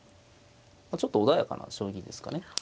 ちょっと穏やかな将棋ですかね。